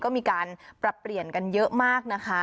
ก็มีการปรับเปลี่ยนกันเยอะมากนะคะ